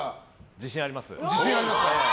自信あります。